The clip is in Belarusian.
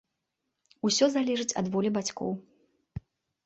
Усё залежыць ад волі бацькоў.